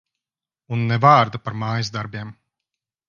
Un ne vārda par mājasdarbiem.